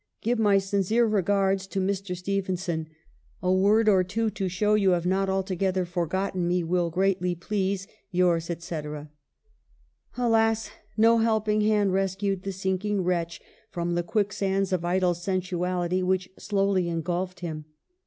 Give my sincere regards to Mr. Ste phenson. A word or two to show you have not altogether forgotten me will greatly please, " Yours, etc." Alas, no helping hand rescued the sinking wretch from the quicksands of idle sensuality which slowly ingulfed him